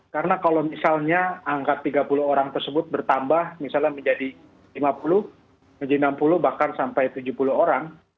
karena kalau misalnya angkat tiga puluh orang tersebut bertambah misalnya menjadi lima puluh menjadi enam puluh bahkan sampai tujuh puluh orang